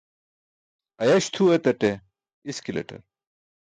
Ayaś tʰuu etaṭe iskilaṭar